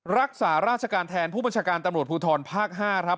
รักษาราชการแทนผู้บัญชาการตำรวจภูทรภาค๕ครับ